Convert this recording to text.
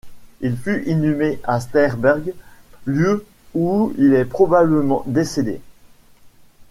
Il fut inhumé à Sternberg, lieu où il est probablement décédé.